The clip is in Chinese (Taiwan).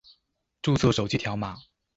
註冊手機條碼